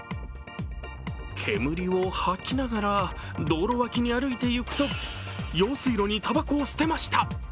煙を吐きながら道路脇に歩いて行くと用水路にたばこを捨てました。